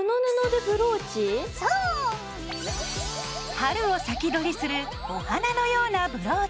春を先取りするお花のようなブローチ。